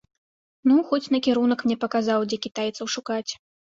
Ну, хоць накірунак мне паказаў, дзе кітайцаў шукаць.